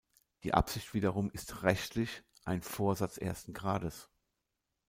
Die Absicht wiederum ist rechtlich ein Vorsatz ersten Grades.